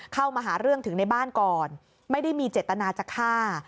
เข้ามาหาเรื่องถึงในบ้านก่อนไม่ได้มีเจตนาจะฆ่า